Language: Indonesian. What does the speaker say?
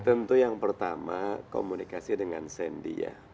tentu yang pertama komunikasi dengan sandy ya